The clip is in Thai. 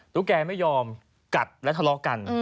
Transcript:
ตุ๊กแกไม่ยอมกัดและทะเลาะกัน